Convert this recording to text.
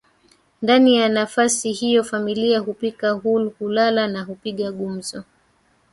Ndani ya nafasi hiyo familia hupika hul hulala na hupiga gumzo